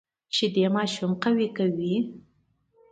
شیدې ماشوم قوي کوي